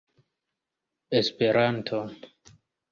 esperanto